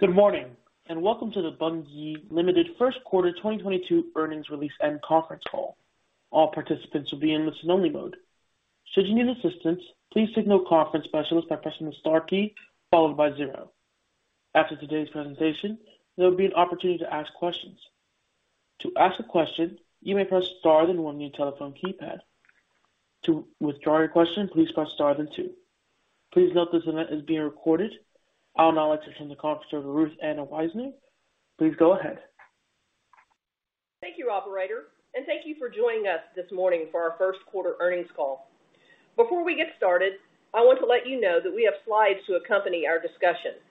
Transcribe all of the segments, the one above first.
Good morning, and welcome to the Bunge Limited First Quarter 2022 Earnings Release and Conference Call. All participants will be in listen-only mode. Should you need assistance, please contact the conference specialist by pressing the star key followed by zero. After today's presentation, there'll be an opportunity to ask questions. To ask a question, you may press star then one on your telephone keypad. To withdraw your question, please press star then two. Please note this event is being recorded. I'll now turn the conference over to Ruth Ann Wisener. Please go ahead. Thank you, operator, and thank you for joining us this morning for our first quarter earnings call. Before we get started, I want to let you know that we have slides to accompany our discussion.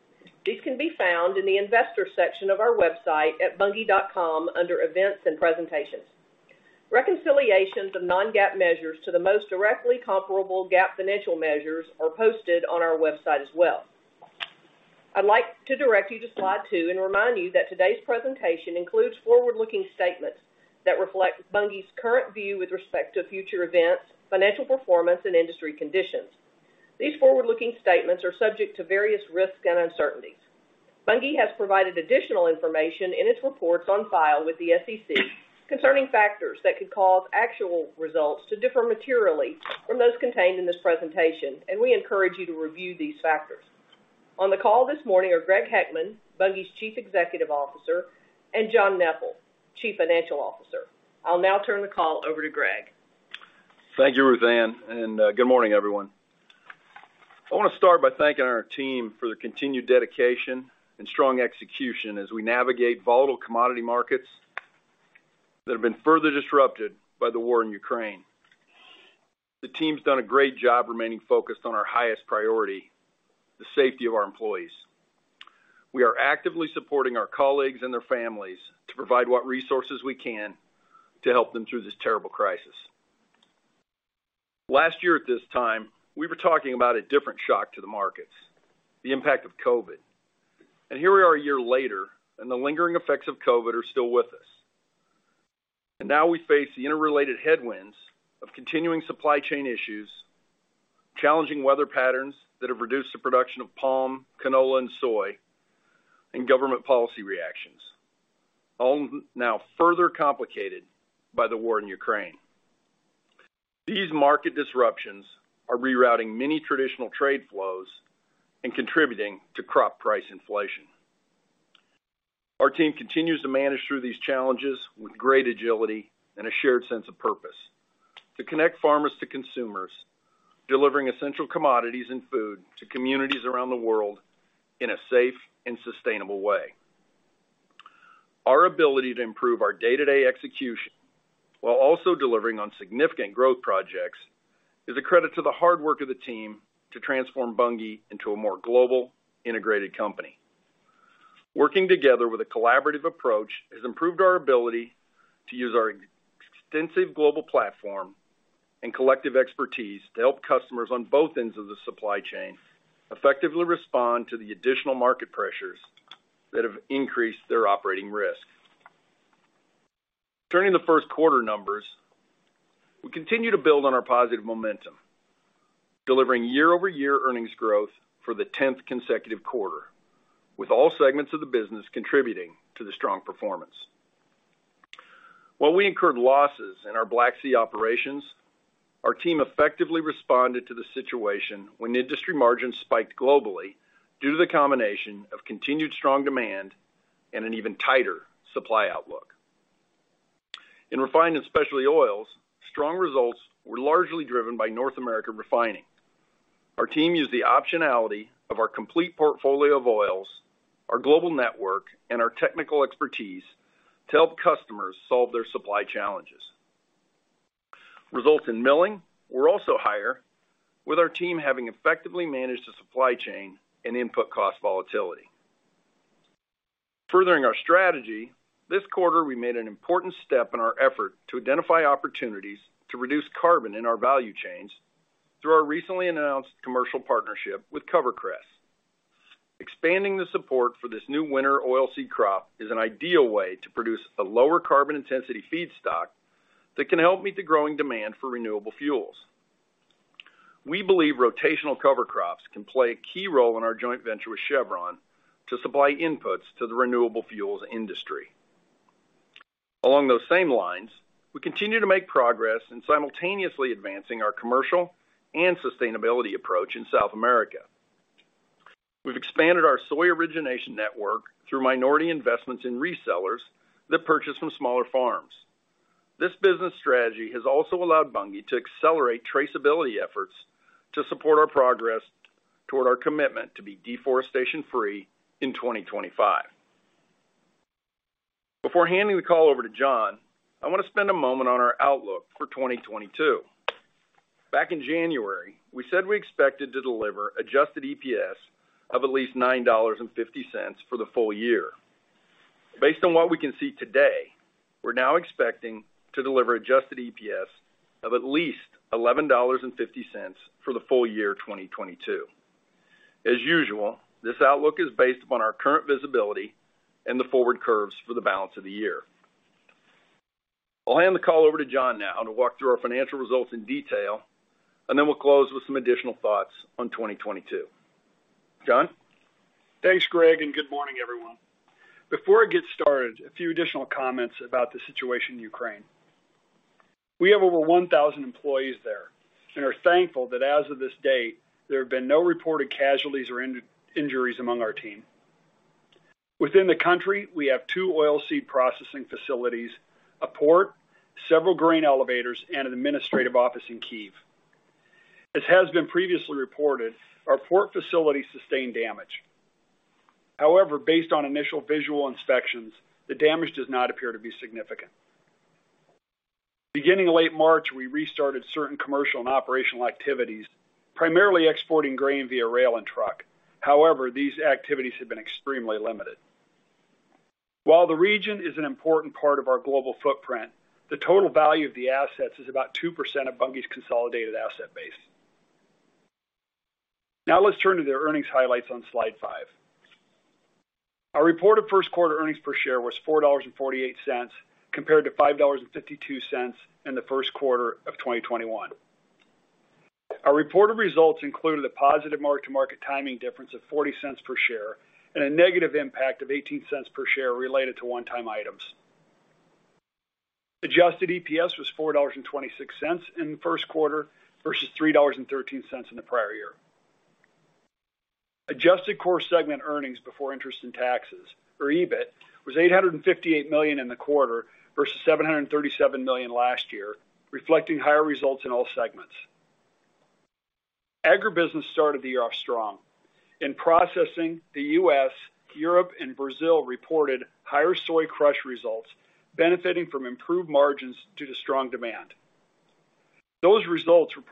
These can be found in the investor section of our website at bunge.com under Events and Presentations. Reconciliations of non-GAAP measures to the most directly comparable GAAP financial measures are posted on our website as well. I'd like to direct you to slide two and remind you that today's presentation includes forward-looking statements that reflect Bunge's current view with respect to future events, financial performance, and industry conditions. These forward-looking statements are subject to various risks and uncertainties. Bunge has provided additional information in its reports on file with the SEC concerning factors that could cause actual results to differ materially from those contained in this presentation, and we encourage you to review these factors. On the call this morning are Greg Heckman, Bunge's Chief Executive Officer, and John Neppl, Chief Financial Officer. I'll now turn the call over to Greg. Thank you, Ruth Ann, and good morning, everyone. I wanna start by thanking our team for their continued dedication and strong execution as we navigate volatile commodity markets that have been further disrupted by the war in Ukraine. The team's done a great job remaining focused on our highest priority, the safety of our employees. We are actively supporting our colleagues and their families to provide what resources we can to help them through this terrible crisis. Last year at this time, we were talking about a different shock to the markets, the impact of COVID. Here we are a year later, and the lingering effects of COVID are still with us. Now we face the interrelated headwinds of continuing supply chain issues, challenging weather patterns that have reduced the production of palm, canola, and soy, and government policy reactions, all now further complicated by the war in Ukraine. These market disruptions are rerouting many traditional trade flows and contributing to crop price inflation. Our team continues to manage through these challenges with great agility and a shared sense of purpose to connect farmers to consumers, delivering essential commodities and food to communities around the world in a safe and sustainable way. Our ability to improve our day-to-day execution while also delivering on significant growth projects is a credit to the hard work of the team to transform Bunge into a more global, integrated company. Working together with a collaborative approach has improved our ability to use our extensive global platform and collective expertise to help customers on both ends of the supply chain effectively respond to the additional market pressures that have increased their operating risk. Turning to the first quarter numbers, we continue to build on our positive momentum, delivering year-over-year earnings growth for the 10th consecutive quarter, with all segments of the business contributing to the strong performance. While we incurred losses in our Black Sea operations, our team effectively responded to the situation when industry margins spiked globally due to the combination of continued strong demand and an even tighter supply outlook. In refined and specialty oils, strong results were largely driven by North American refining. Our team used the optionality of our complete portfolio of oils, our global network, and our technical expertise to help customers solve their supply challenges. Results in milling were also higher with our team having effectively managed the supply chain and input cost volatility. Furthering our strategy, this quarter we made an important step in our effort to identify opportunities to reduce carbon in our value chains through our recently announced commercial partnership with CoverCress. Expanding the support for this new winter oilseed crop is an ideal way to produce a lower carbon intensity feedstock that can help meet the growing demand for renewable fuels. We believe rotational cover crops can play a key role in our joint venture with Chevron to supply inputs to the renewable fuels industry. Along those same lines, we continue to make progress in simultaneously advancing our commercial and sustainability approach in South America. We've expanded our soy origination network through minority investments in resellers that purchase from smaller farms. This business strategy has also allowed Bunge to accelerate traceability efforts to support our progress toward our commitment to be deforestation free in 2025. Before handing the call over to John, I wanna spend a moment on our outlook for 2022. Back in January, we said we expected to deliver adjusted EPS of at least $9.50 for the full year. Based on what we can see today, we're now expecting to deliver adjusted EPS of at least $11.50 for the full year 2022. As usual, this outlook is based upon our current visibility and the forward curves for the balance of the year. I'll hand the call over to John now to walk through our financial results in detail, and then we'll close with some additional thoughts on 2022. John? Thanks, Greg, and good morning, everyone. Before I get started, a few additional comments about the situation in Ukraine. We have over 1,000 employees there and are thankful that as of this date, there have been no reported casualties or injuries among our team. Within the country, we have two oilseed processing facilities, a port, several grain elevators, and an administrative office in Kyiv. As has been previously reported, our port facility sustained damage. However, based on initial visual inspections, the damage does not appear to be significant. Beginning late March, we restarted certain commercial and operational activities, primarily exporting grain via rail and truck. However, these activities have been extremely limited. While the region is an important part of our global footprint, the total value of the assets is about 2% of Bunge's consolidated asset base. Now let's turn to the earnings highlights on slide five. Our reported first quarter earnings per share was $4.48, compared to $5.52 in the first quarter of 2021. Our reported results included a positive mark-to-market timing difference of $ 0.40 per share and a negative impact of $0.18 per share related to one-time items. Adjusted EPS was $4.26 in the first quarter versus $3.13 in the prior year. Adjusted core segment earnings before interest and taxes, or EBIT, was $858 million in the quarter versus $737 million last year, reflecting higher results in all segments. Agribusiness started the year off strong. In processing, the U.S., Europe, and Brazil reported higher soy crush results, benefiting from improved margins due to strong demand. Those results were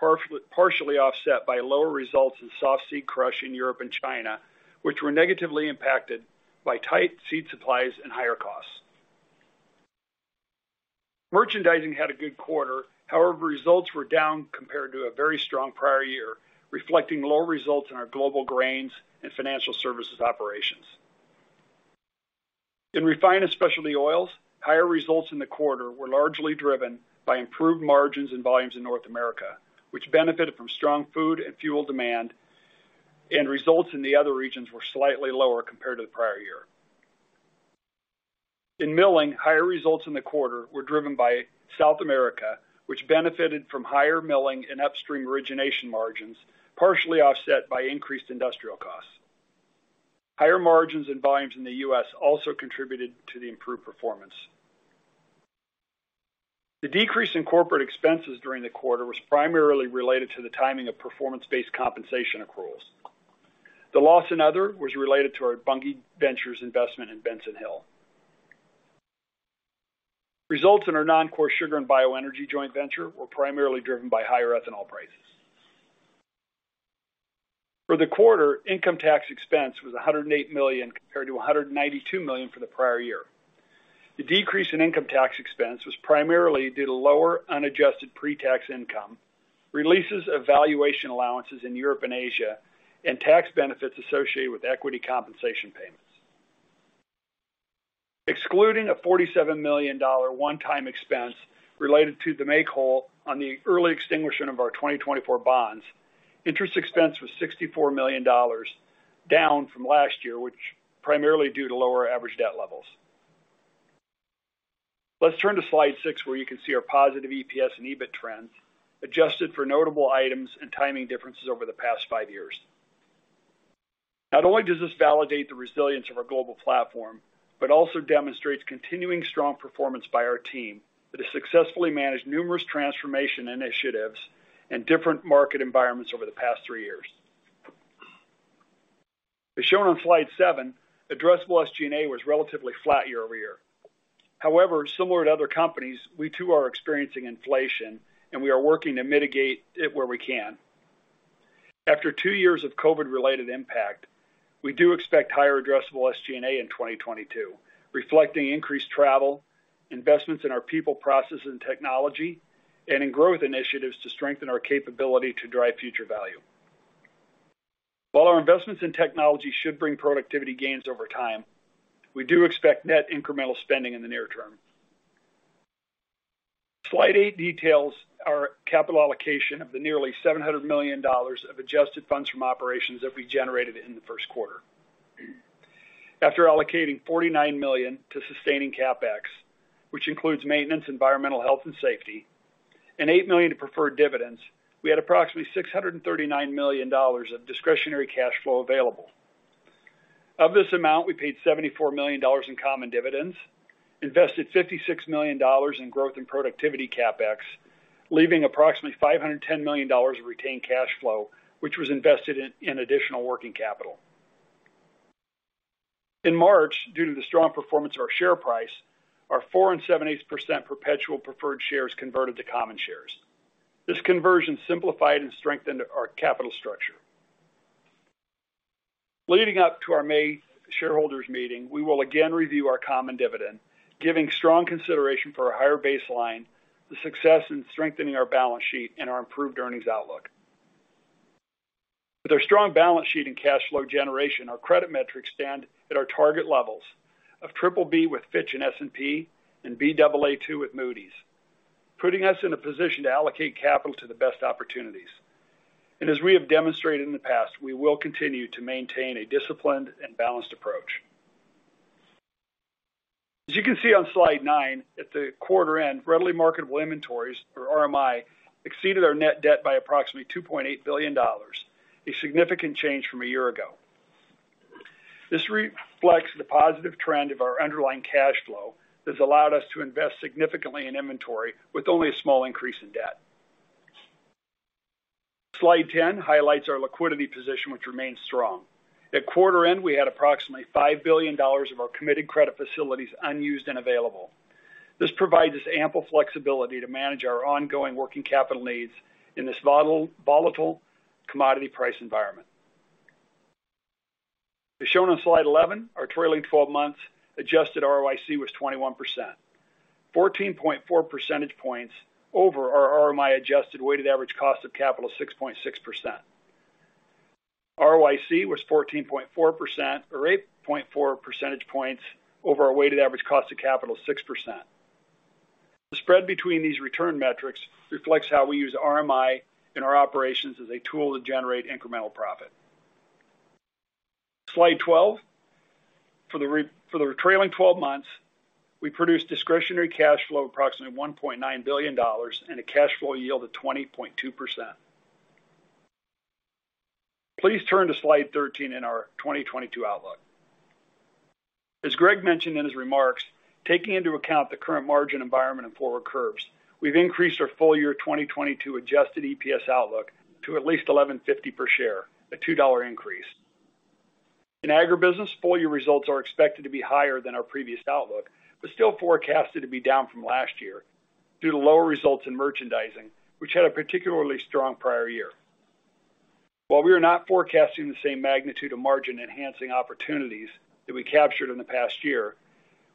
partially offset by lower results in soft seed crush in Europe and China, which were negatively impacted by tight seed supplies and higher costs. Merchandising had a good quarter. However, results were down compared to a very strong prior year, reflecting lower results in our global grains and financial services operations. In refined and specialty oils, higher results in the quarter were largely driven by improved margins and volumes in North America, which benefited from strong food and fuel demand, and results in the other regions were slightly lower compared to the prior year. In milling, higher results in the quarter were driven by South America, which benefited from higher milling and upstream origination margins, partially offset by increased industrial costs. Higher margins and volumes in the U.S. also contributed to the improved performance. The decrease in corporate expenses during the quarter was primarily related to the timing of performance-based compensation accruals. The loss in other was related to our Bunge Ventures investment in Benson Hill. Results in our non-core sugar and bioenergy joint venture were primarily driven by higher ethanol prices. For the quarter, income tax expense was $108 million compared to $192 million for the prior year. The decrease in income tax expense was primarily due to lower unadjusted pre-tax income, releases of valuation allowances in Europe and Asia, and tax benefits associated with equity compensation payments. Excluding a $47 million one-time expense related to the make whole on the early extinguishment of our 2024 bonds, interest expense was $64 million, down from last year, which primarily due to lower average debt levels. Let's turn to slide six, where you can see our positive EPS and EBIT trends adjusted for notable items and timing differences over the past five years. Not only does this validate the resilience of our global platform, but also demonstrates continuing strong performance by our team that has successfully managed numerous transformation initiatives and different market environments over the past three years. As shown on slide seven, addressable SG&A was relatively flat year-over-year. However, similar to other companies, we too are experiencing inflation, and we are working to mitigate it where we can. After two years of COVID-related impact, we do expect higher addressable SG&A in 2022, reflecting increased travel, investments in our people, process, and technology, and in growth initiatives to strengthen our capability to drive future value. While our investments in technology should bring productivity gains over time, we do expect net incremental spending in the near term. Slide eight details our capital allocation of the nearly $700 million of adjusted funds from operations that we generated in the first quarter. After allocating $49 million to sustaining CapEx, which includes maintenance, environmental health and safety, and $8 million to preferred dividends, we had approximately $639 million of discretionary cash flow available. Of this amount, we paid $74 million in common dividends, invested $56 million in growth and productivity CapEx, leaving approximately $510 million of retained cash flow, which was invested in additional working capital. In March, due to the strong performance of our share price, our 4% and 7/8% perpetual preferred shares converted to common shares. This conversion simplified and strengthened our capital structure. Leading up to our May shareholders meeting, we will again review our common dividend, giving strong consideration for a higher baseline, the success in strengthening our balance sheet, and our improved earnings outlook. With our strong balance sheet and cash flow generation, our credit metrics stand at our target levels of triple B with Fitch and S&P and Baa2 with Moody's, putting us in a position to allocate capital to the best opportunities. As we have demonstrated in the past, we will continue to maintain a disciplined and balanced approach. As you can see on slide nine, at the quarter end, readily marketable inventories or RMI exceeded our net debt by approximately $2.8 billion, a significant change from a year ago. This reflects the positive trend of our underlying cash flow that's allowed us to invest significantly in inventory with only a small increase in debt. Slide 10 highlights our liquidity position, which remains strong. At quarter end, we had approximately $5 billion of our committed credit facilities unused and available. This provides us ample flexibility to manage our ongoing working capital needs in this volatile commodity price environment. As shown on slide 11, our trailing twelve months adjusted ROIC was 21%, 14.4 percentage points over our RMI adjusted weighted average cost of capital 6.6%. ROIC was 14.4% or 8.4 percentage points over our weighted average cost of capital 6%. The spread between these return metrics reflects how we use RMI in our operations as a tool to generate incremental profit. Slide 12, for the trailing twelve months, we produced discretionary cash flow approximately $1.9 billion and a cash flow yield of 20.2%. Please turn to slide 13 in our 2022 outlook. As Greg mentioned in his remarks, taking into account the current margin environment and forward curves, we've increased our full-year 2022 adjusted EPS outlook to at least $11.50 per share, a $2 increase. In agribusiness, full-year results are expected to be higher than our previous outlook, but still forecasted to be down from last year due to lower results in merchandising, which had a particularly strong prior year. While we are not forecasting the same magnitude of margin enhancing opportunities that we captured in the past year,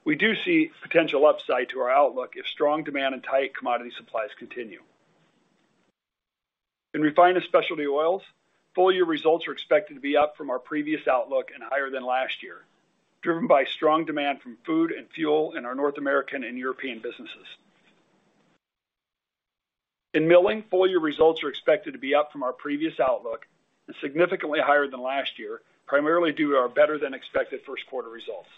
we do see potential upside to our outlook if strong demand and tight commodity supplies continue. In refined and specialty oils, full year results are expected to be up from our previous outlook and higher than last year, driven by strong demand from food and fuel in our North American and European businesses. In milling, full year results are expected to be up from our previous outlook and significantly higher than last year, primarily due to our better than expected first quarter results.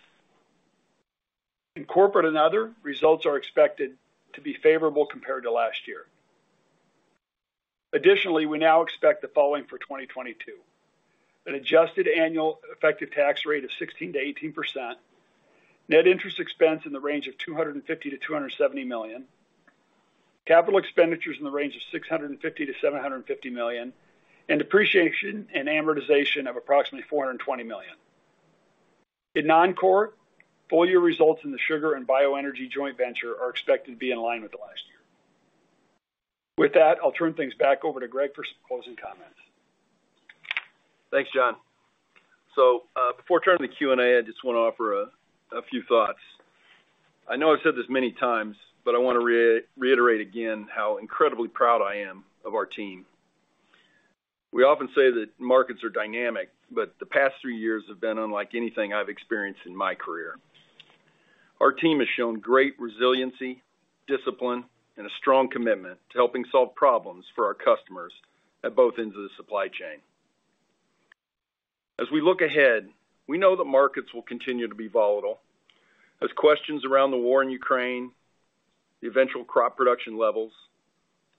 In corporate and other, results are expected to be favorable compared to last year. Additionally, we now expect the following for 2022: an adjusted annual effective tax rate of 16%-18%, net interest expense in the range of $250 million-$270 million, capital expenditures in the range of $650 million-$750 million, and depreciation and amortization of approximately $420 million. In non-core, full year results in the sugar and bioenergy joint venture are expected to be in line with the last year. With that, I'll turn things back over to Greg for some closing comments. Thanks, John. Before turning to Q&A, I just want to offer a few thoughts. I know I've said this many times, but I want to reiterate again how incredibly proud I am of our team. We often say that markets are dynamic, but the past three years have been unlike anything I've experienced in my career. Our team has shown great resiliency, discipline, and a strong commitment to helping solve problems for our customers at both ends of the supply chain. As we look ahead, we know the markets will continue to be volatile as questions around the war in Ukraine, the eventual crop production levels,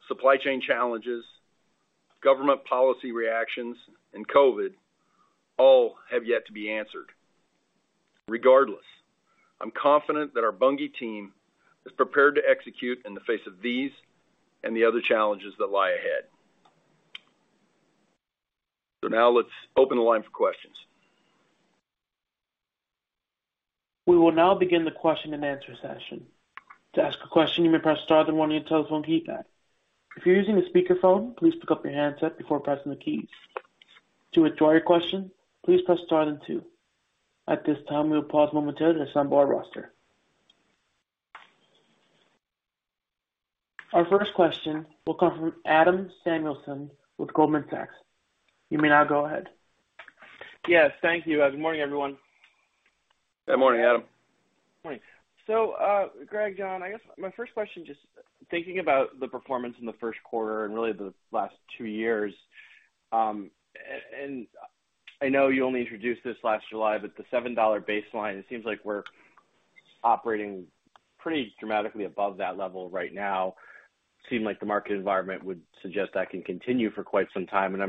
supply chain challenges, government policy reactions, and COVID all have yet to be answered. Regardless, I'm confident that our Bunge team is prepared to execute in the face of these and the other challenges that lie ahead. Now let's open the line for questions. We will now begin the question-and-answer session. To ask a question, you may press star then one on your telephone keypad. If you're using a speakerphone, please pick up your handset before pressing the keys. To withdraw your question, please press star then two. At this time, we will pause momentarily to assemble our roster. Our first question will come from Adam Samuelson with Goldman Sachs. You may now go ahead. Yes, thank you. Good morning, everyone. Good morning, Adam. Morning. Greg, John, I guess my first question, just thinking about the performance in the first quarter and really the last two years, and I know you only introduced this last July, but the $7 baseline, it seems like we're operating pretty dramatically above that level right now. It seems like the market environment would suggest that can continue for quite some time. I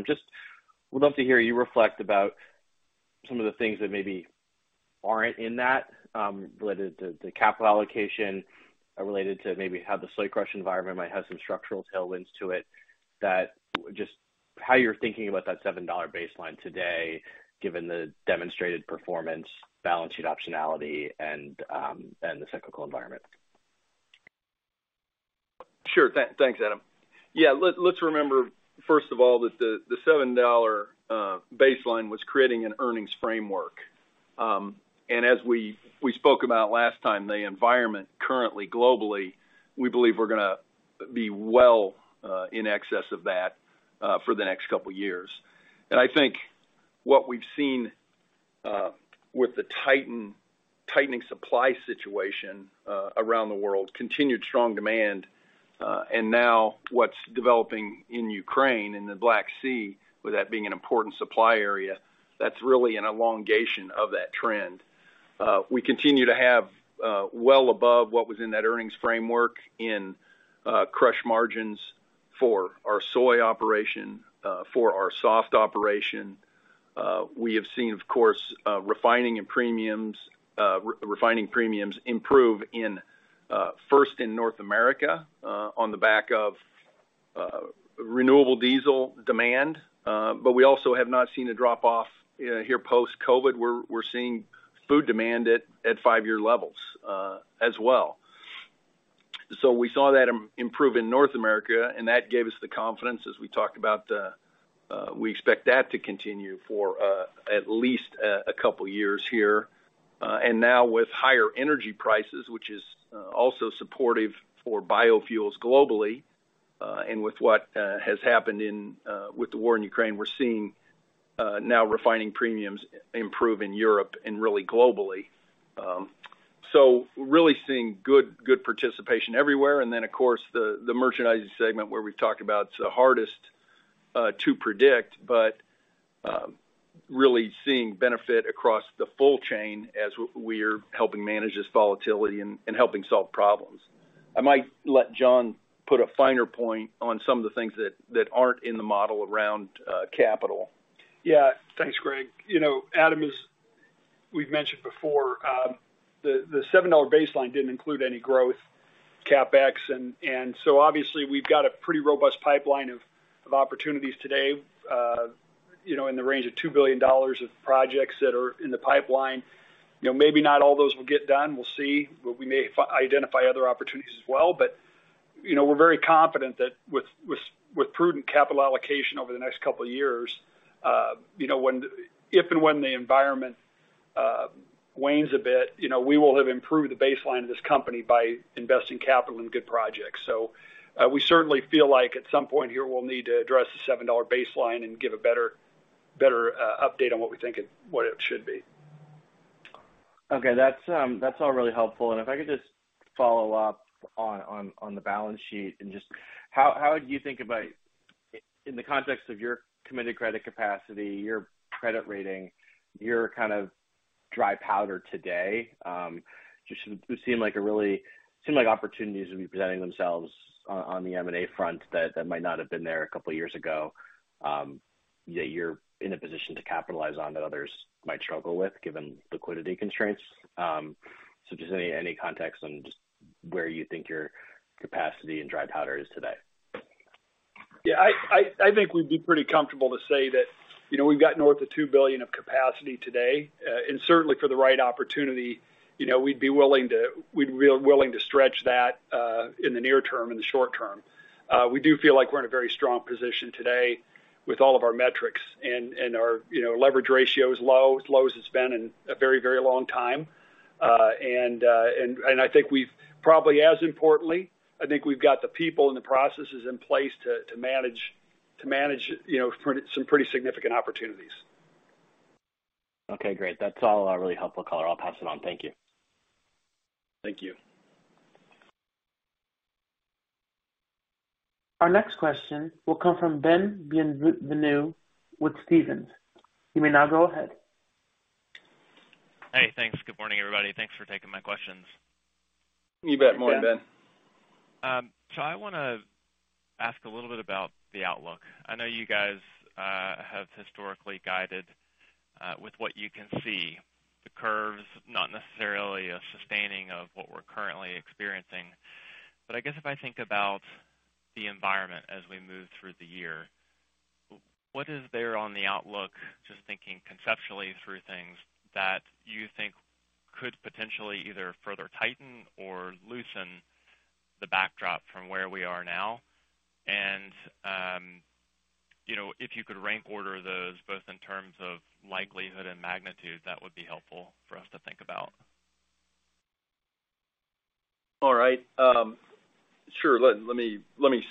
would love to hear you reflect about some of the things that maybe aren't in that, related to the capital allocation or related to maybe how the soy crush environment might have some structural tailwinds to it, that's just how you're thinking about that $7 baseline today, given the demonstrated performance, balance sheet optionality and the cyclical environment. Sure. Thanks, Adam. Yeah. Let's remember, first of all, that the $7 baseline was creating an earnings framework. As we spoke about last time, the environment currently globally, we believe we're gonna be well in excess of that for the next couple years. I think what we've seen with the tightening supply situation around the world, continued strong demand, and now what's developing in Ukraine in the Black Sea, with that being an important supply area, that's really an elongation of that trend. We continue to have well above what was in that earnings framework in crush margins for our soy operation for our soft operation. We have seen, of course, refining premiums improve first in North America on the back of renewable diesel demand. We also have not seen a drop off here post-COVID. We're seeing food demand at five-year levels as well. We saw that improve in North America, and that gave us the confidence as we talked about. We expect that to continue for at least a couple years here. Now with higher energy prices, which is also supportive for biofuels globally, and with what has happened with the war in Ukraine, we're seeing now refining premiums improve in Europe and really globally. Really seeing good participation everywhere. Of course, the merchandising segment where we've talked about it's the hardest to predict, but really seeing benefit across the full chain as we are helping manage this volatility and helping solve problems. I might let John put a finer point on some of the things that aren't in the model around capital. Yeah. Thanks, Greg. You know, Adam, as we've mentioned before, the $7 baseline didn't include any growth CapEx. Obviously we've got a pretty robust pipeline of opportunities today, you know, in the range of $2 billion of projects that are in the pipeline. You know, maybe not all those will get done. We'll see. We may identify other opportunities as well. You know, we're very confident that with prudent capital allocation over the next couple of years, you know, if and when the environment wanes a bit, you know, we will have improved the baseline of this company by investing capital in good projects. We certainly feel like at some point here, we'll need to address the $7 baseline and give a better update on what we think and what it should be. Okay. That's all really helpful. If I could just follow up on the balance sheet. Just how would you think about in the context of your committed credit capacity, your credit rating, your kind of dry powder today, just seem like opportunities will be presenting themselves on the M&A front that might not have been there a couple of years ago, that you're in a position to capitalize on that others might struggle with given liquidity constraints. Just any context on just where you think your capacity and dry powder is today? Yeah. I think we'd be pretty comfortable to say that, you know, we've got north of $2 billion of capacity today. Certainly for the right opportunity, you know, we'd be willing to stretch that, in the near term, in the short term. We do feel like we're in a very strong position today with all of our metrics and our, you know, leverage ratio is low, as low as it's been in a very, very long time. I think we've probably, as importantly, I think we've got the people and the processes in place to manage, you know, some pretty significant opportunities. Okay, great. That's all a really helpful color. I'll pass it on. Thank you. Thank you. Our next question will come from Ben Bienvenu with Stephens. You may now go ahead. Hey, thanks. Good morning, everybody. Thanks for taking my questions. You bet. Morning, Ben. I wanna ask a little bit about the outlook. I know you guys have historically guided with what you can see, the curves, not necessarily a sustaining of what we're currently experiencing. I guess if I think about the environment as we move through the year, what is there on the outlook, just thinking conceptually through things that you think could potentially either further tighten or loosen the backdrop from where we are now? You know, if you could rank order those both in terms of likelihood and magnitude, that would be helpful for us to think about. All right. Sure. Let me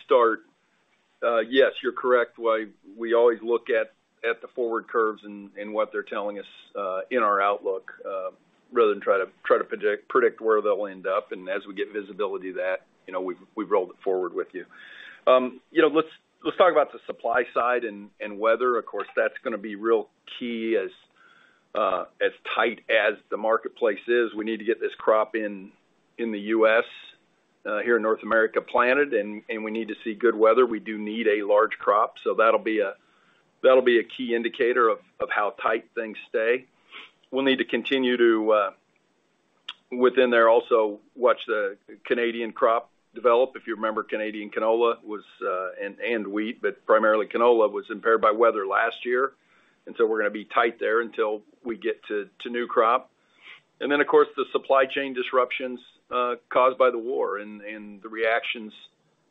start. Yes, you're correct. We always look at the forward curves and what they're telling us in our outlook, rather than try to predict where they'll end up. As we get visibility to that, you know, we roll it forward with you. You know, let's talk about the supply side and weather. Of course, that's gonna be real key as tight as the marketplace is. We need to get this crop in the U.S. here in North America planted, and we need to see good weather. We do need a large crop. That'll be a key indicator of how tight things stay. We'll need to continue to within there also watch the Canadian crop develop. If you remember, Canadian canola was and wheat, but primarily canola was impaired by weather last year. We're gonna be tight there until we get to new crop. Of course, the supply chain disruptions caused by the war and the reactions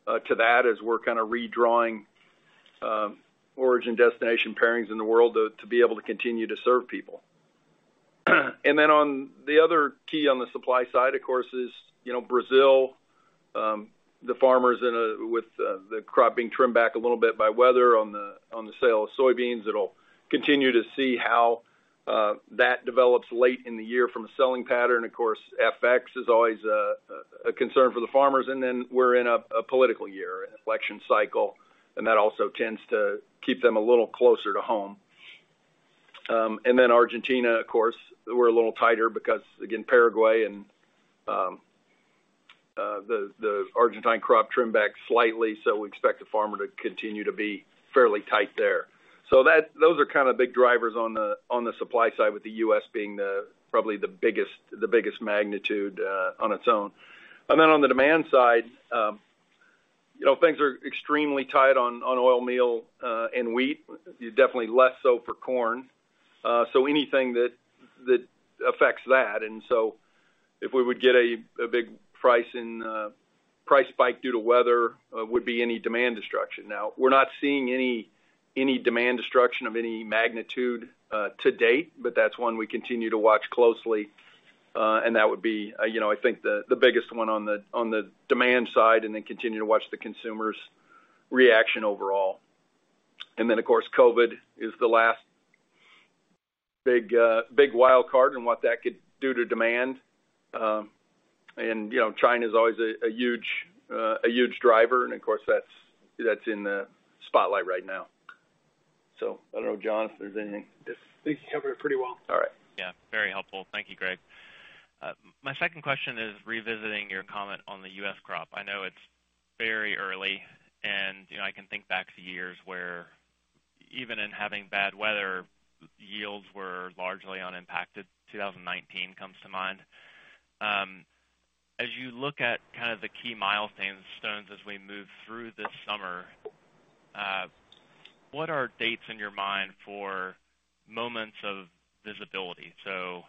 to that as we're kind of redrawing origin destination pairings in the world to be able to continue to serve people. Then on the other key on the supply side, of course, is, you know, Brazil, the farmers with the crop being trimmed back a little bit by weather on the sale of soybeans. We'll continue to see how that develops late in the year from a selling pattern. Of course, FX is always a concern for the farmers. Then we're in a political year, an election cycle, and that also tends to keep them a little closer to home. Argentina, of course, we're a little tighter because again, Paraguay and the Argentine crop trimmed back slightly, so we expect the farmer to continue to be fairly tight there. Those are kind of big drivers on the supply side with the U.S. being probably the biggest magnitude on its own. On the demand side, you know, things are extremely tight on oil meal and wheat. Definitely less so for corn. Anything that affects that. If we would get a big price spike due to weather would be any demand destruction. Now, we're not seeing any demand destruction of any magnitude to date, but that's one we continue to watch closely. That would be, you know, I think the biggest one on the demand side, and then continue to watch the consumer's reaction overall. Of course, COVID is the last big wild card and what that could do to demand. You know, China's always a huge driver, and of course that's in the spotlight right now. I don't know, John, if there's anything. Yes. I think you covered it pretty well. All right. Yeah, very helpful. Thank you, Greg. My second question is revisiting your comment on the U.S. crop. I know it's very early, and, you know, I can think back to years where even in having bad weather, yields were largely unimpacted. 2019 comes to mind. As you look at kind of the key milestones as we move through this summer, what are dates in your mind for moments of visibility? So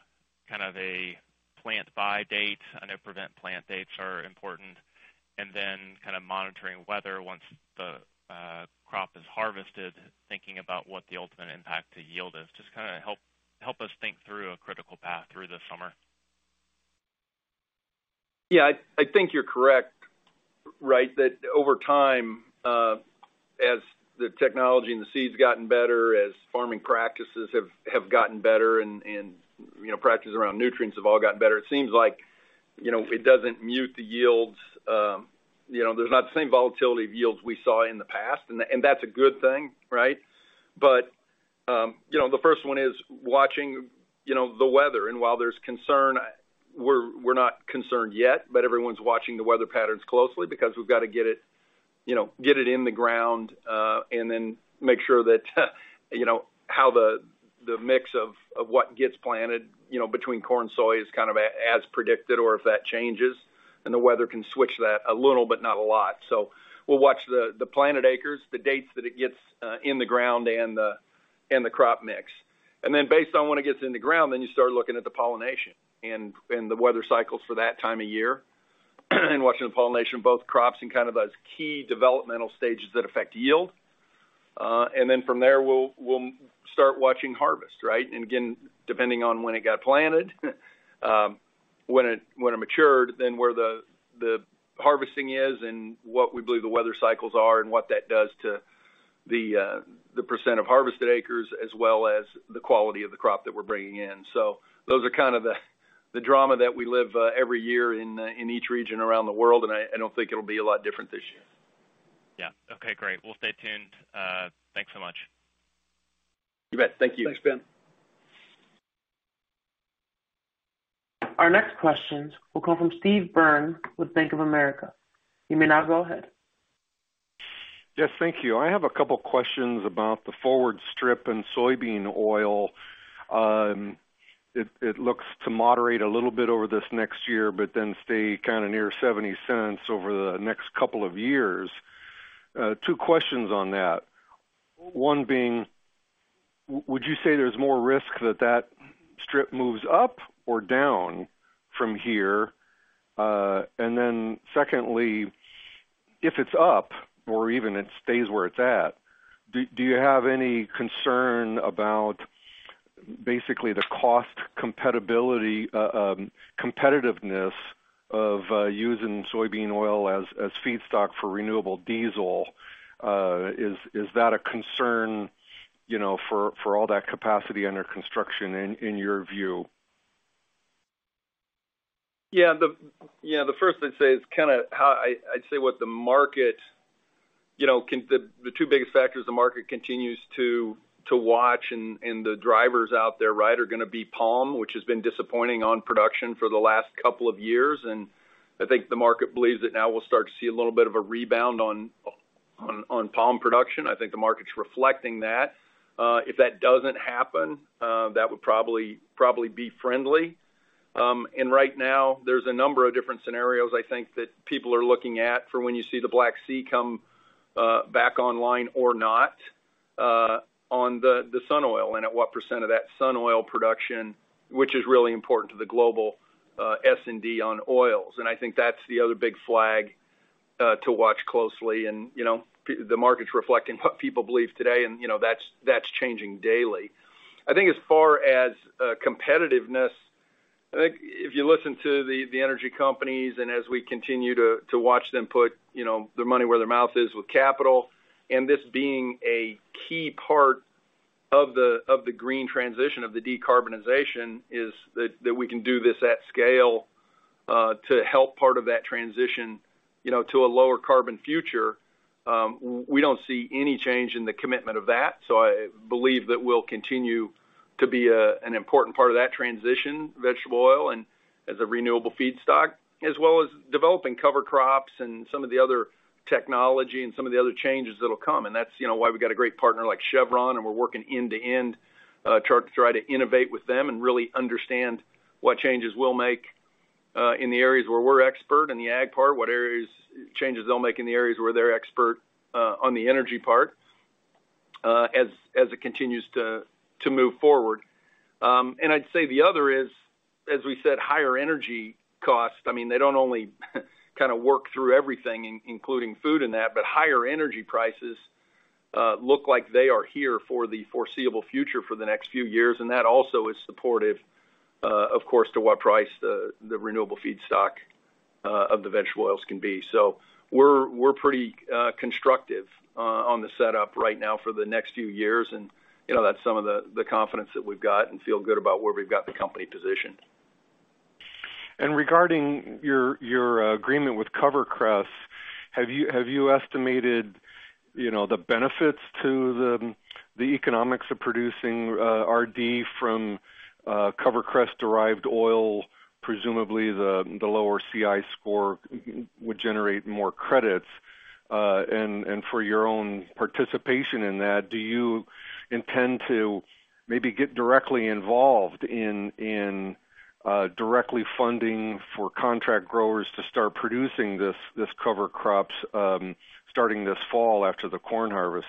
kind of a plant by date. I know prevent plant dates are important. Then kind of monitoring weather once the crop is harvested, thinking about what the ultimate impact to yield is. Just kind of help us think through a critical path through this summer. Yeah. I think you're correct, right? That over time, as the technology and the seeds gotten better, as farming practices have gotten better and, you know, practices around nutrients have all gotten better, it seems like, you know, it doesn't mute the yields. You know, there's not the same volatility of yields we saw in the past, and that's a good thing, right? You know, the first one is watching, you know, the weather. While there's concern, we're not concerned yet, but everyone's watching the weather patterns closely because we've got to get it, you know, get it in the ground, and then make sure that, you know, how the mix of what gets planted, you know, between corn and soy is kind of as predicted or if that changes. The weather can switch that a little, but not a lot. We'll watch the planted acres, the dates that it gets in the ground and the crop mix. Then based on when it gets in the ground, you start looking at the pollination and the weather cycles for that time of year, and watching the pollination of both crops and kind of those key developmental stages that affect yield. Then from there, we'll start watching harvest, right? Again, depending on when it got planted, when it matured, then where the harvesting is and what we believe the weather cycles are and what that does to the percent of harvested acres as well as the quality of the crop that we're bringing in. Those are kind of the drama that we live every year in each region around the world, and I don't think it'll be a lot different this year. Yeah. Okay, great. We'll stay tuned. Thanks so much. You bet. Thank you. Thanks, Ben. Our next question will come from Steve Byrne with Bank of America. You may now go ahead. Yes, thank you. I have a couple questions about the forward strip in soybean oil. It looks to moderate a little bit over this next year, but then stay kind of near $0.70 over the next couple of years. Two questions on that. One being, would you say there's more risk that that strip moves up or down from here? And then secondly, if it's up or even it stays where it's at, do you have any concern about basically the cost compatibility, competitiveness of using soybean oil as feedstock for renewable diesel? Is that a concern, you know, for all that capacity under construction in your view? The first I'd say is what the market, you know, the two biggest factors the market continues to watch and the drivers out there, right, are gonna be palm, which has been disappointing on production for the last couple of years. I think the market believes that now we'll start to see a little bit of a rebound on palm production. I think the market's reflecting that. If that doesn't happen, that would probably be friendly. Right now there's a number of different scenarios I think that people are looking at for when you see the Black Sea come back online or not. On the sunflower oil and at what percent of that sunflower oil production, which is really important to the global S&D on oils. I think that's the other big flag to watch closely and, you know, the market's reflecting what people believe today, and, you know, that's changing daily. I think as far as competitiveness, I think if you listen to the energy companies, and as we continue to watch them put, you know, their money where their mouth is with capital, and this being a key part of the green transition of the decarbonization, is that we can do this at scale to help part of that transition, you know, to a lower carbon future, we don't see any change in the commitment of that. I believe that we'll continue to be an important part of that transition, vegetable oil and as a renewable feedstock. As well as developing cover crops and some of the other technology and some of the other changes that'll come. That's, you know, why we've got a great partner like Chevron, and we're working end-to-end, try to innovate with them and really understand what changes we'll make in the areas where we're expert in the ag part. Changes they'll make in the areas where they're expert on the energy part, as it continues to move forward. I'd say the other is, as we said, higher energy costs. I mean, they don't only kind of work through everything including food and that, but higher energy prices look like they are here for the foreseeable future for the next few years. That also is supportive, of course, to what price the renewable feedstock of the vegetable oils can be. We're pretty constructive on the setup right now for the next few years. You know, that's some of the confidence that we've got and feel good about where we've got the company positioned. Regarding your agreement with CoverCress, have you estimated, you know, the benefits to the economics of producing RD from CoverCress derived oil? Presumably, the lower CI score would generate more credits. And for your own participation in that, do you intend to maybe get directly involved in directly funding for contract growers to start producing this CoverCress starting this fall after the corn harvest?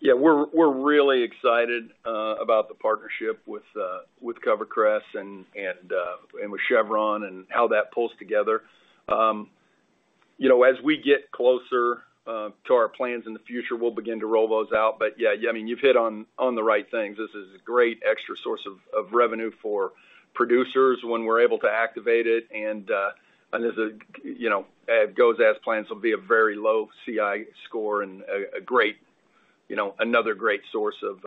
Yeah, we're really excited about the partnership with CoverCress and with Chevron and how that pulls together. You know, as we get closer to our plans in the future, we'll begin to roll those out. Yeah, I mean, you've hit on the right things. This is a great extra source of revenue for producers when we're able to activate it. As a, you know, it goes as plans will be a very low CI score and a great, you know, another great source of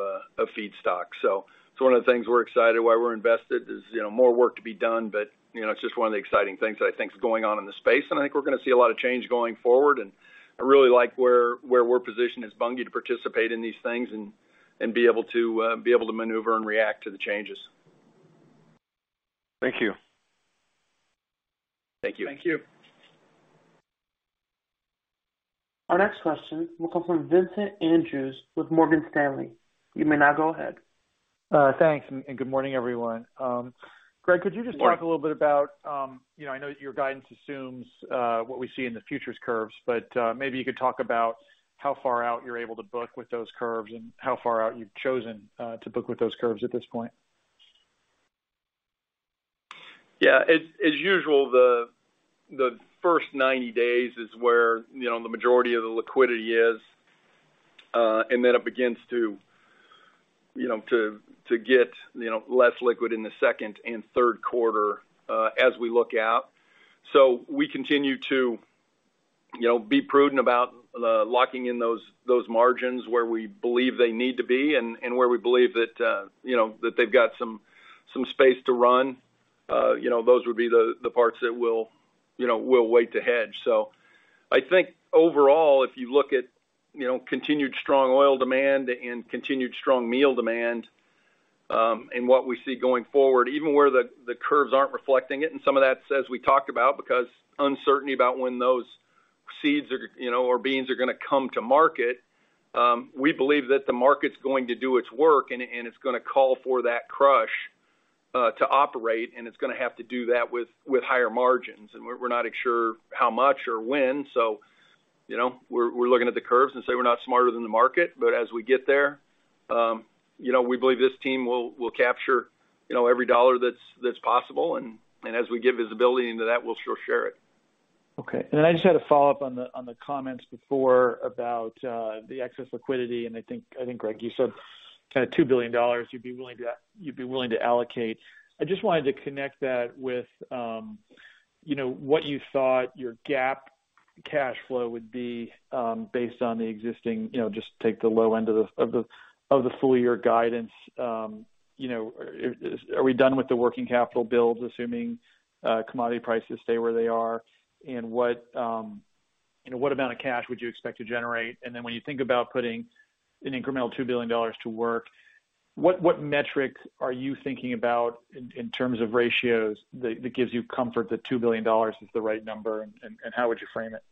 feedstock. So it's one of the things we're excited why we're invested. There's, you know, more work to be done, but, you know, it's just one of the exciting things that I think is going on in the space. I think we're gonna see a lot of change going forward. I really like where we're positioned as Bunge to participate in these things and be able to maneuver and react to the changes. Thank you. Thank you. Thank you. Our next question will come from Vincent Andrews with Morgan Stanley. You may now go ahead. Thanks, and good morning, everyone. Greg, could you just talk a little bit about, you know, I know your guidance assumes what we see in the futures curves, but maybe you could talk about how far out you're able to book with those curves and how far out you've chosen to book with those curves at this point. Yeah, as usual, the first 90 days is where, you know, the majority of the liquidity is. It begins to, you know, get, you know, less liquid in the second and third quarter, as we look out. We continue to, you know, be prudent about locking in those margins where we believe they need to be and where we believe that, you know, that they've got some space to run. You know, those would be the parts that we'll, you know, wait to hedge. I think overall, if you look at, you know, continued strong oil demand and continued strong meal demand, and what we see going forward, even where the curves aren't reflecting it, and some of that as we talked about because uncertainty about when those seeds are, you know, or beans are gonna come to market, we believe that the market's going to do its work and it's gonna call for that crush to operate, and it's gonna have to do that with higher margins. We're not sure how much or when. You know, we're looking at the curves and saying we're not smarter than the market, but as we get there, you know, we believe this team will capture, you know, every dollar that's possible. As we get visibility into that, we'll sure share it. Okay. I just had a follow-up on the comments before about the excess liquidity. I think, Greg, you said kind of $2 billion you'd be willing to allocate. I just wanted to connect that with, you know, what you thought your GAAP cash flow would be, based on the existing, you know, just take the low end of the full year guidance. You know, are we done with the working capital builds, assuming commodity prices stay where they are? What amount of cash would you expect to generate? When you think about putting an incremental $2 billion to work, what metrics are you thinking about in terms of ratios that gives you comfort that $2 billion is the right number, and how would you frame it?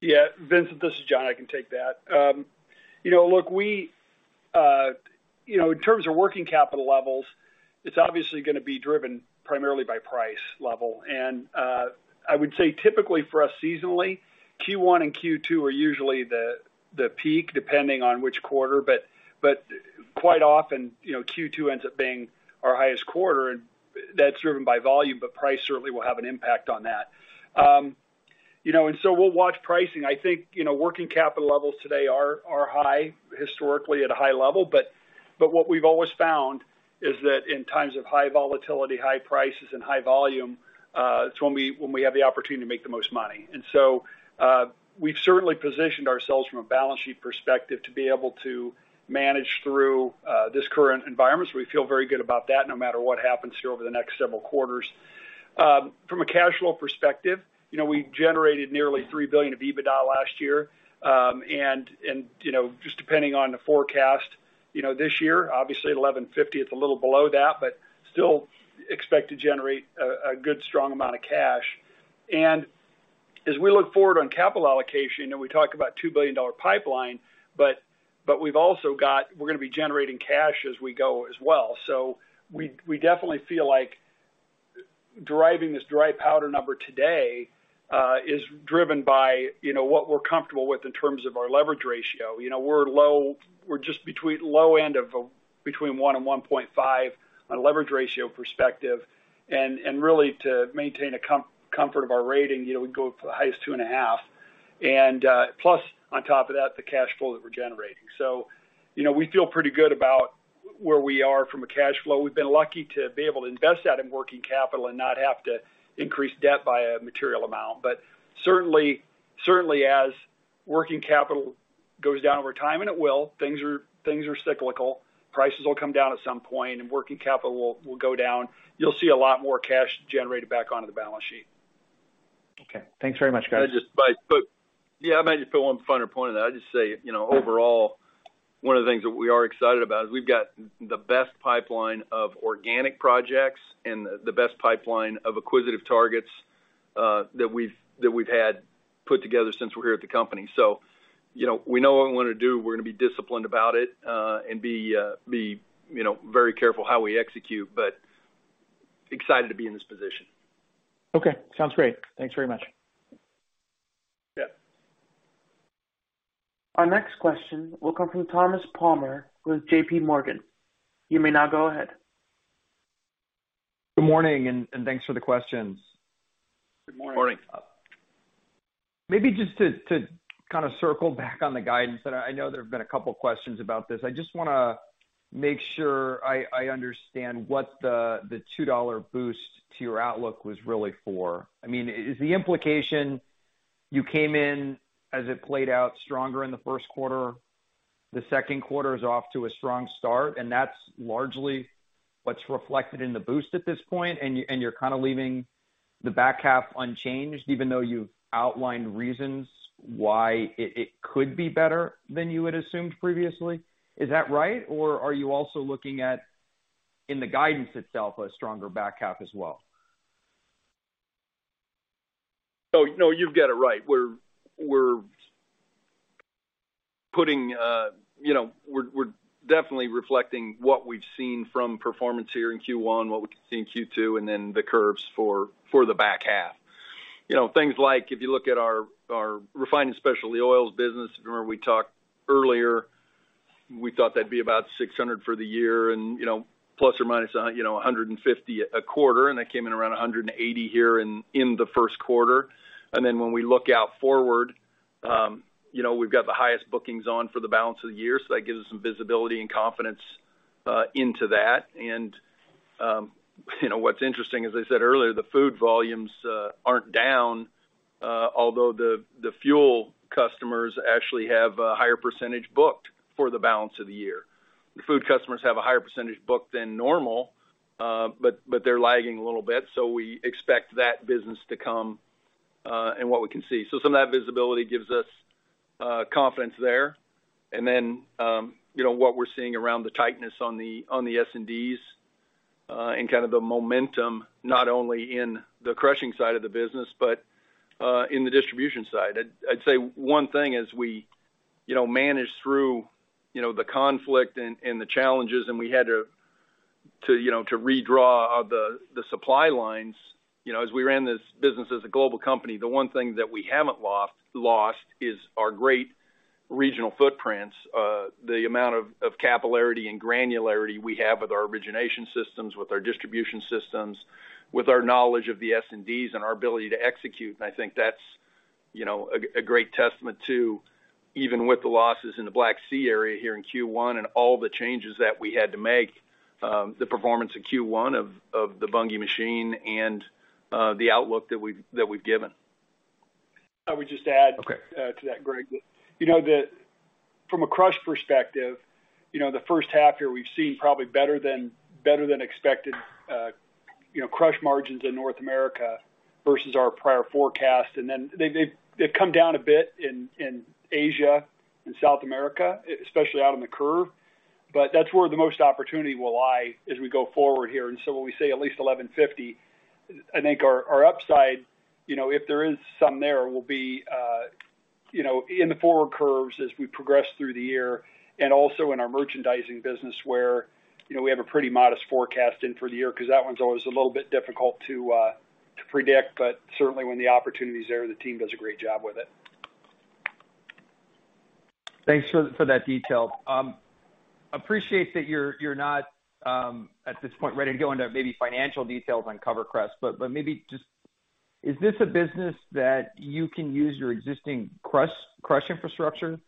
Yeah. Vincent, this is John. I can take that. You know, look, You know, in terms of working capital levels, it's obviously gonna be driven primarily by price level. I would say typically for us seasonally, Q1 and Q2 are usually the peak depending on which quarter. But quite often, you know, Q2 ends up being our highest quarter, and that's driven by volume, but price certainly will have an impact on that. We'll watch pricing. I think, you know, working capital levels today are high, historically at a high level. What we've always found is that in times of high volatility, high prices, and high volume, it's when we have the opportunity to make the most money. We've certainly positioned ourselves from a balance sheet perspective to be able to manage through this current environment. We feel very good about that no matter what happens here over the next several quarters. From a cash flow perspective, you know, we generated nearly $3 billion of EBITDA last year. You know, just depending on the forecast, you know, this year, obviously $1.15 billion, it's a little below that, but still expect to generate a good strong amount of cash. As we look forward on capital allocation, and we talk about $2 billion pipeline, but we're gonna be generating cash as we go as well. We definitely feel like driving this dry powder number today is driven by, you know, what we're comfortable with in terms of our leverage ratio. You know, we're low. We're just between low end of between 1-1.5 on a leverage ratio perspective. Really to maintain a comfort of our rating, you know, we go for the highest 2.5. Plus on top of that, the cash flow that we're generating. You know, we feel pretty good about where we are from a cash flow. We've been lucky to be able to invest that in working capital and not have to increase debt by a material amount. But certainly as working capital goes down over time, and it will, things are cyclical. Prices will come down at some point and working capital will go down. You'll see a lot more cash generated back onto the balance sheet. Okay. Thanks very much, guys. Yeah, I might just put one finer point on that. I'd just say, you know, overall, one of the things that we are excited about is we've got the best pipeline of organic projects and the best pipeline of acquisitive targets that we've had put together since we're here at the company. You know, we know what we wanna do. We're gonna be disciplined about it and be, you know, very careful how we execute, but excited to be in this position. Okay. Sounds great. Thanks very much. Yeah. Our next question will come from Thomas Palmer with JPMorgan. You may now go ahead. Good morning, and thanks for the questions. Good morning. Morning. Maybe just to kind of circle back on the guidance that I know there have been a couple questions about this. I just wanna make sure I understand what the $2 boost to your outlook was really for. I mean, is the implication you came in as it played out stronger in the first quarter, the second quarter is off to a strong start, and that's largely what's reflected in the boost at this point, and you're kind of leaving the back half unchanged, even though you've outlined reasons why it could be better than you had assumed previously? Is that right? Or are you also looking at, in the guidance itself, a stronger back half as well? No, no, you've got it right. We're putting, you know, we're definitely reflecting what we've seen from performance here in Q1, what we've seen in Q2, and then the curves for the back half. You know, things like if you look at our refining specialty oils business, remember we talked earlier, we thought that'd be about $600 for the year and, you know, plus or -$150 a quarter, and that came in around $180 here in the first quarter. When we look out forward, you know, we've got the highest bookings on for the balance of the year, so that gives us some visibility and confidence into that. You know, what's interesting, as I said earlier, the food volumes aren't down, although the fuel customers actually have a higher percentage booked for the balance of the year. The food customers have a higher percentage booked than normal, but they're lagging a little bit, so we expect that business to come in what we can see. Some of that visibility gives us confidence there. What we're seeing around the tightness on the S&Ds and kind of the momentum not only in the crushing side of the business, but in the distribution side. I'd say one thing as we you know manage through you know the conflict and the challenges, and we had to you know to redraw the supply lines. You know, as we ran this business as a global company, the one thing that we haven't lost is our great regional footprints. The amount of capillarity and granularity we have with our origination systems, with our distribution systems, with our knowledge of the S&Ds and our ability to execute. I think that's, you know, a great testament to even with the losses in the Black Sea area here in Q1 and all the changes that we had to make, the performance in Q1 of the Bunge machine and the outlook that we've given. I would just add. Okay. To that, Greg. You know, from a crush perspective, you know, the first half here we've seen probably better than expected, you know, crush margins in North America versus our prior forecast. Then they've come down a bit in Asia and South America, especially out in the curve, but that's where the most opportunity will lie as we go forward here. When we say at least $11.50, I think our upside, you know, if there is some there, will be, you know, in the forward curves as we progress through the year, and also in our merchandising business where, you know, we have a pretty modest forecast in for the year because that one's always a little bit difficult to predict, but certainly when the opportunity is there, the team does a great job with it. Thanks for that detail. Appreciate that you're not at this point ready to go into maybe financial details on CoverCress. Maybe just is this a business that you can use your existing crush infrastructure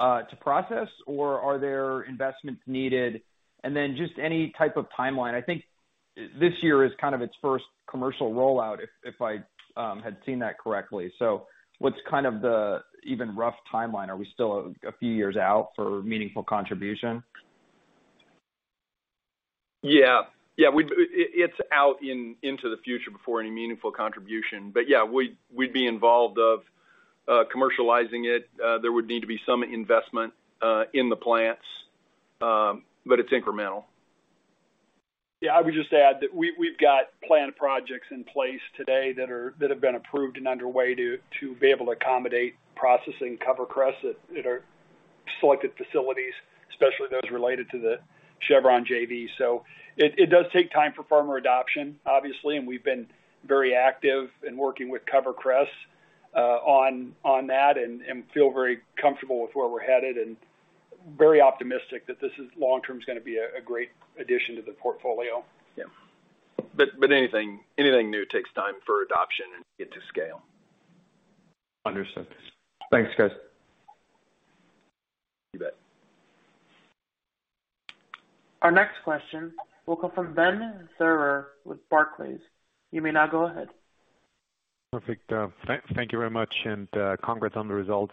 to process, or are there investments needed? Just any type of timeline. I think this year is kind of its first commercial rollout if I had seen that correctly. What's kind of the even rough timeline? Are we still a few years out for meaningful contribution? Yeah. It's out into the future before any meaningful contribution. Yeah, we'd be involved in commercializing it. There would need to be some investment in the plants, but it's incremental. Yeah. I would just add that we've got planned projects in place today that have been approved and underway to be able to accommodate processing CoverCress at our selected facilities, especially those related to the Chevron JV. It does take time for farmer adoption, obviously, and we've been very active in working with CoverCress on that and feel very comfortable with where we're headed and very optimistic that this long-term is gonna be a great addition to the portfolio. Yeah. Anything new takes time for adoption and get to scale. Understood. Thanks, guys. You bet. Our next question will come from Benjamin Theurer with Barclays. You may now go ahead. Perfect. Thank you very much, and congrats on the results.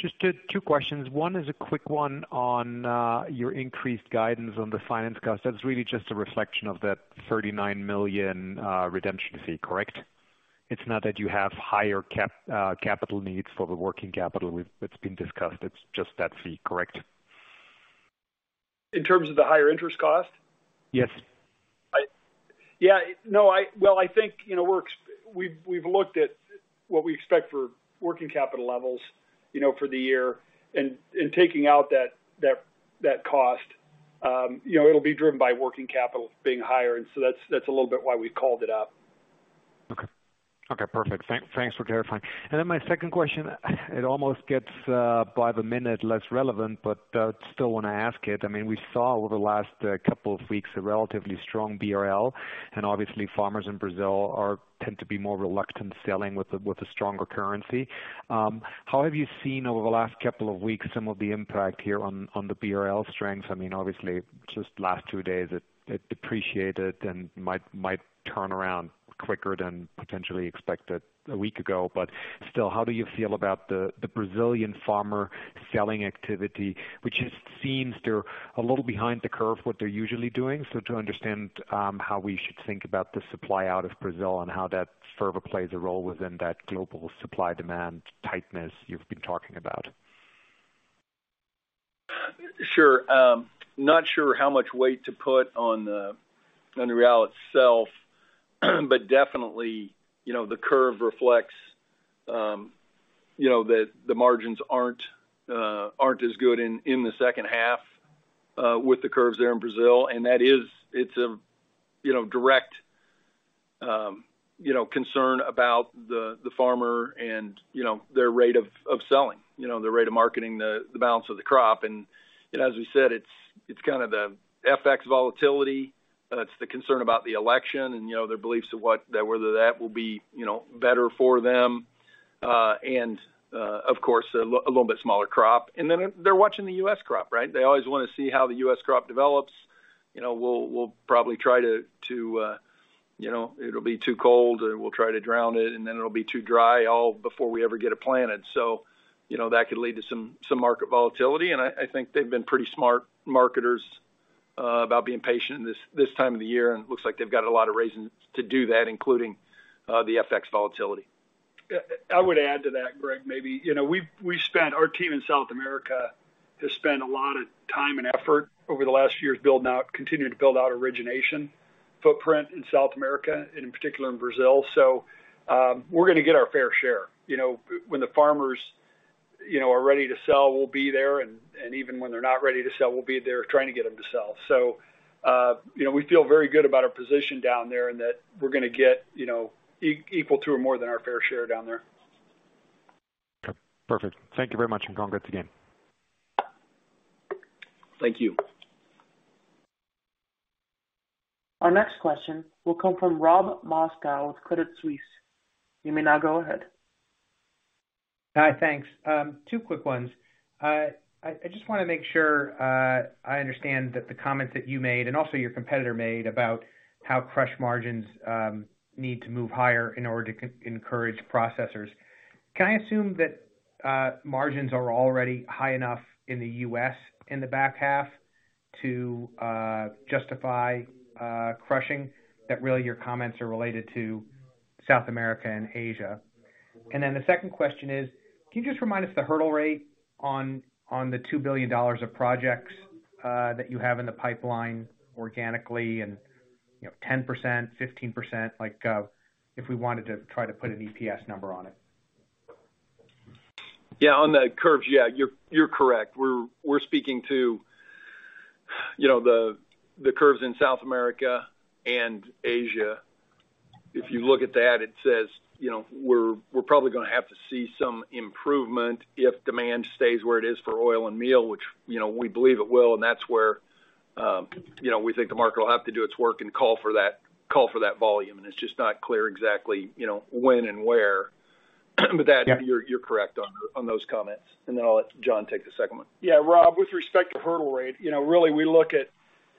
Just two questions. One is a quick one on your increased guidance on the finance cost. That's really just a reflection of that $39 million redemption fee, correct? It's not that you have higher capital needs for the working capital that's been discussed. It's just that fee, correct? In terms of the higher interest cost? Yes. Yeah. No, well, I think, you know, we've looked at what we expect for working capital levels, you know, for the year. Taking out that cost, you know, it'll be driven by working capital being higher. That's a little bit why we called it up. Okay. Okay, perfect. Thanks for clarifying. Then my second question, it almost gets, by the minute less relevant, but still wanna ask it. I mean, we saw over the last couple of weeks a relatively strong BRL, and obviously farmers in Brazil tend to be more reluctant selling with a, with a stronger currency. How have you seen over the last couple of weeks some of the impact here on the BRL strengths? I mean, obviously just last two days it depreciated and might turn around quicker than potentially expected a week ago. Still, how do you feel about the Brazilian farmer selling activity, which just seems they're a little behind the curve what they're usually doing. To understand how we should think about the supply out of Brazil and how that further plays a role within that global supply demand tightness you've been talking about. Sure. Not sure how much weight to put on the real itself, but definitely, you know, the curve reflects that the margins aren't as good in the second half with the curves there in Brazil. That is a direct concern about the farmer and, you know, their rate of marketing the balance of the crop. As we said, it's kinda the FX volatility, it's the concern about the election and, you know, their beliefs about whether that will be better for them and, of course, a little bit smaller crop. They're watching the U.S. crop, right? They always wanna see how the U.S. crop develops. You know, we'll probably try to, you know, it'll be too cold, and we'll try to drown it, and then it'll be too dry all before we ever get it planted. You know, that could lead to some market volatility. I think they've been pretty smart marketers about being patient this time of the year, and it looks like they've got a lot of reasons to do that, including the FX volatility. I would add to that, Greg, maybe. You know, our team in South America has spent a lot of time and effort over the last years building out, continuing to build out origination footprint in South America, and in particular in Brazil. We're gonna get our fair share. You know, when the farmers are ready to sell, we'll be there. Even when they're not ready to sell, we'll be there trying to get them to sell. You know, we feel very good about our position down there and that we're gonna get equal to or more than our fair share down there. Okay. Perfect. Thank you very much, and congrats again. Thank you. Our next question will come from Rob Moskow with Credit Suisse. You may now go ahead. Hi, thanks. Two quick ones. I just wanna make sure I understand that the comments that you made and also your competitor made about how crush margins need to move higher in order to encourage processors. Can I assume that margins are already high enough in the U.S. in the back half to justify crushing? That really your comments are related to South America and Asia. The second question is, can you just remind us the hurdle rate on the $2 billion of projects that you have in the pipeline organically and, you know, 10%, 15%, like, if we wanted to try to put an EPS number on it. Yeah. On the curves, yeah, you're correct. We're speaking to, you know, the curves in South America and Asia. If you look at that, it says, you know, we're probably gonna have to see some improvement if demand stays where it is for oil and meal, which, you know, we believe it will. That's where, you know, we think the market will have to do its work and call for that volume. It's just not clear exactly, you know, when and where. Yeah. You're correct on those comments. I'll let John take the second one. Yeah, Rob Moskow, with respect to hurdle rate, you know, really we look at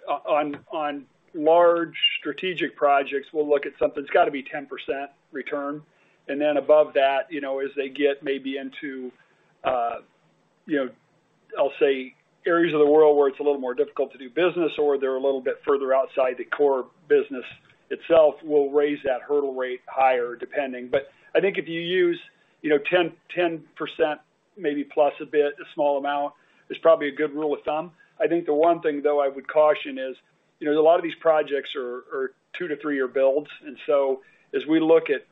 on large strategic projects, we'll look at something that's gotta be 10% return. Above that, you know, as they get maybe into, you know, I'll say areas of the world where it's a little more difficult to do business or they're a little bit further outside the core business itself, we'll raise that hurdle rate higher, depending. I think if you use, you know, 10%, maybe plus a bit, a small amount, is probably a good rule of thumb. I think the one thing, though, I would caution is, you know, a lot of these projects are two- to three-year builds. As we look at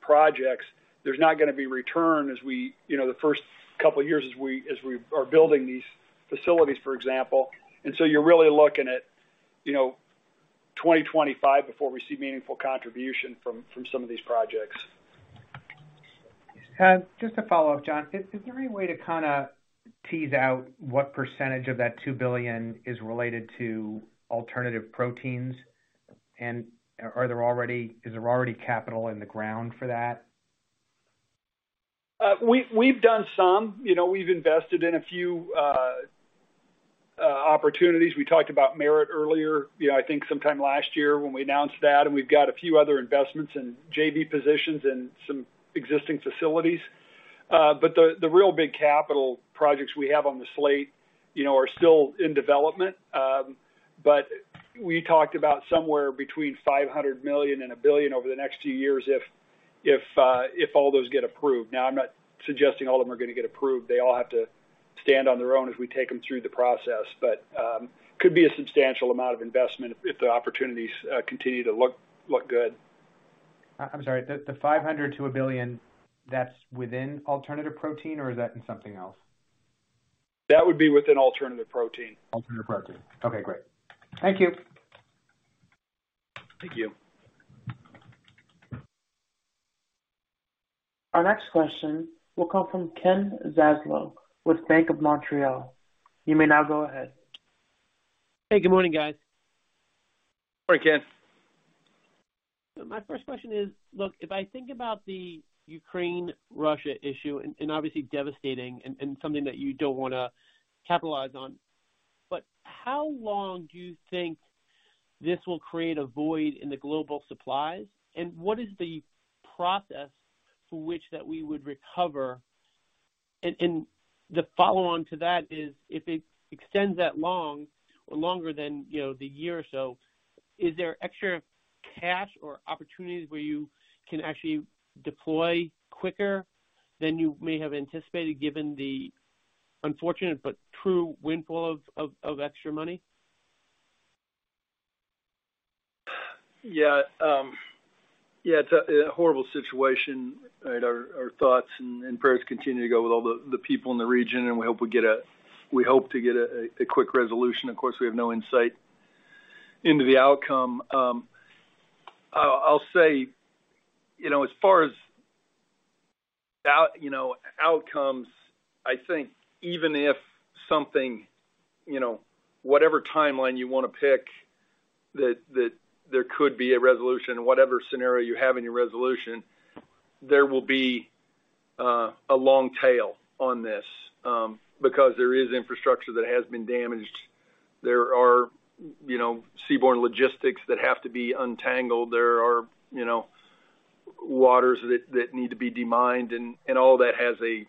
projects, there's not gonna be return you know the first couple of years as we are building these facilities, for example. You're really looking at you know 2025 before we see meaningful contribution from some of these projects. Just to follow up, John. Is there any way to kinda tease out what percentage of that $2 billion is related to alternative proteins? Is there already capital in the ground for that? We've done some. You know, we've invested in a few opportunities. We talked about Merit earlier, you know, I think sometime last year when we announced that, and we've got a few other investments in JV positions and some existing facilities. The real big capital projects we have on the slate, you know, are still in development. We talked about somewhere between $500 million and $1 billion over the next few years if all those get approved. Now, I'm not suggesting all of them are gonna get approved. They all have to stand on their own as we take them through the process. Could be a substantial amount of investment if the opportunities continue to look good. I'm sorry. The $500 million-$1 billion, that's within alternative protein or is that in something else? That would be within alternative protein. Alternative protein. Okay, great. Thank you. Thank you. Our next question will come from Ken Zaslow with Bank of Montreal. You may now go ahead. Hey, good morning, guys. Morning, Ken. My first question is, look, if I think about the Ukraine-Russia issue and obviously devastating and something that you don't wanna capitalize on. How long do you think this will create a void in the global supplies? What is the process for which that we would recover? The follow-on to that is if it extends that long or longer than, you know, the year or so, is there extra cash or opportunities where you can actually deploy quicker than you may have anticipated, given the unfortunate but true windfall of extra money? Yeah. Yeah, it's a horrible situation. Our thoughts and prayers continue to go with all the people in the region, and we hope to get a quick resolution. Of course, we have no insight into the outcome. I'll say, you know, as far as outcomes, I think even if something, you know, whatever timeline you wanna pick, that there could be a resolution, whatever scenario you have in your resolution, there will be a long tail on this, because there is infrastructure that has been damaged. There are, you know, seaborne logistics that have to be untangled. There are, you know, waters that need to be de-mined, and all that has a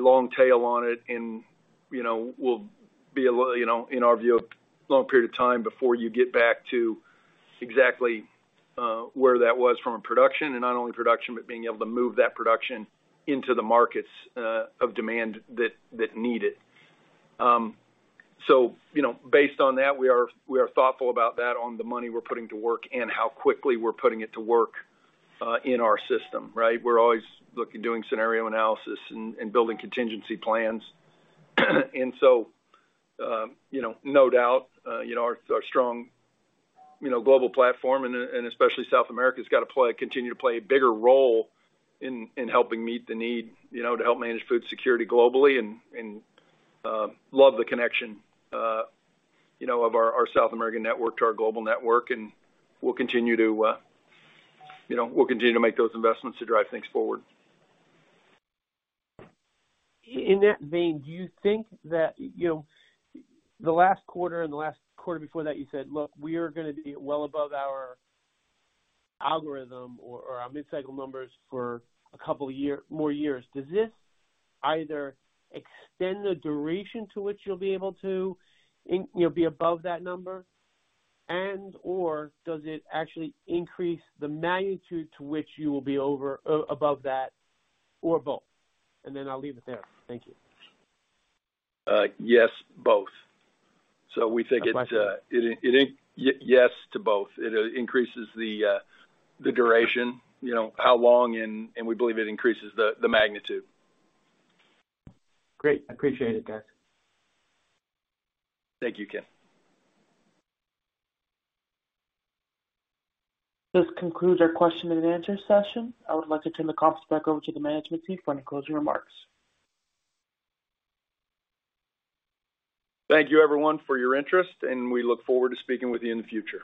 long tail on it and, you know, will be a little, you know, in our view, a long period of time before you get back to exactly where that was from a production. Not only production, but being able to move that production into the markets of demand that need it. You know, based on that, we are thoughtful about that on the money we're putting to work and how quickly we're putting it to work in our system, right? We're always look at doing scenario analysis and building contingency plans. No doubt, you know, our strong, you know, global platform and especially South America has got to continue to play a bigger role in helping meet the need, you know, to help manage food security globally and love the connection, you know, of our South American network to our global network, and we'll continue to, you know, make those investments to drive things forward. In that vein, do you think that, you know, the last quarter and the last quarter before that, you said, "Look, we're gonna be well above our algorithm or our mid-cycle numbers for a couple of more years." Does this either extend the duration to which you'll be able to you know, be above that number and/or does it actually increase the magnitude to which you will be above that or both? I'll leave it there. Thank you. Yes, both. Yes to both. It increases the duration, you know, how long and we believe it increases the magnitude. Great. I appreciate it, guys. Thank you, Ken. This concludes our question and answer session. I would like to turn the call back over to the management team for any closing remarks. Thank you everyone for your interest, and we look forward to speaking with you in the future.